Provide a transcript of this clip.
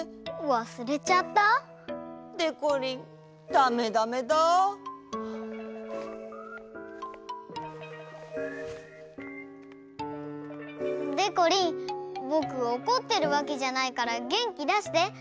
忘れちゃった？でこりんダメダメだ。でこりんぼくおこってるわけじゃないからげんきだして。